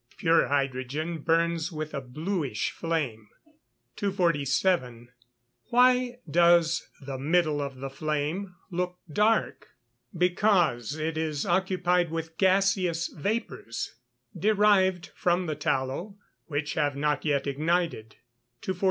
Pure hydrogen burns with a bluish flame. 247. Why does the middle of the flame (C) look dark? Because it is occupied with gaseous vapours, derived from the tallow, which have not yet ignited. 248.